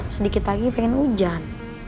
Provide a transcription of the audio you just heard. sedikit lagi pengen ujian